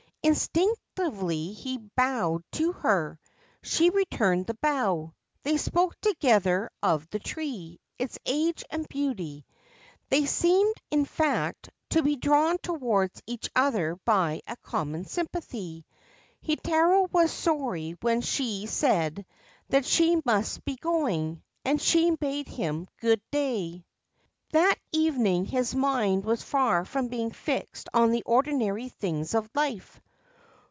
Instinctively he bowed to her. She returned the bow. They spoke together of the tree, its age and beauty. They seemed, in fact, to be drawn towards each other by a common sympathy. Heitaro was sorry when she said that she must be going, and bade him good day. That evening his mind was far from being fixed on the ordinary things of life.